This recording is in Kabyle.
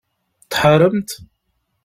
Tḥaremt?